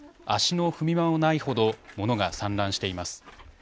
足の踏み場もないほど物が散乱しています。